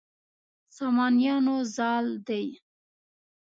سامانیانو زال دی.